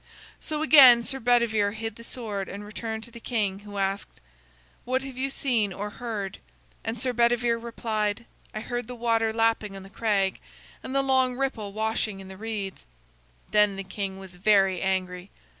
So again Sir Bedivere hid the sword and returned to the king, who asked: "What have you seen or heard?" And Sir Bedivere replied: "I heard the water lapping on the crag, and the long ripple washing in the reeds." Then the king was very angry.